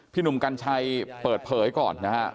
หนุ่มกัญชัยเปิดเผยก่อนนะฮะ